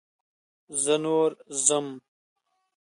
زه نور ځم.